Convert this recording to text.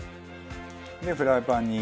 でフライパンに。